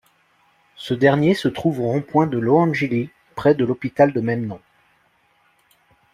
Ce dernier se trouve au rond-point de Loandjili près de l’hôpital de même nom.